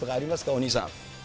お兄さん。